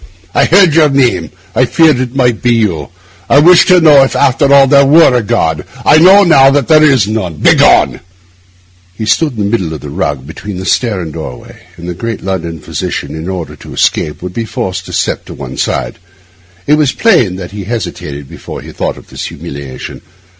'I heard your name; I feared it might be you; I wished to know if, after all, there were a God; I know now that there is none. Begone!' He still stood in the middle of the rug, between the stair and doorway; and the great London physician, in order to escape, would be forced to step to one side. It was plain that he hesitated before the thought of this humiliation.